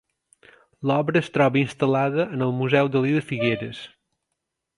L'obra es troba instal·lada en el Museu Dalí de Figueres.